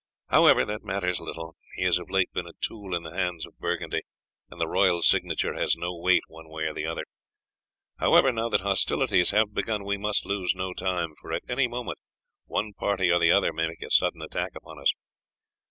However, that matters little. He has of late been a tool in the hands of Burgundy, and the royal signature has no weight one way or the other. However, now that hostilities have begun, we must lose no time, for at any moment one party or the other may make a sudden attack upon us.